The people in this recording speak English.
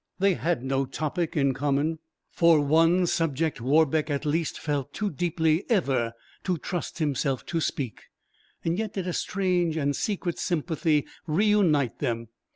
They had no topic in common, for one subject Warbeck at least felt too deeply ever to trust himself to speak; yet did a strange and secret sympathy re unite them.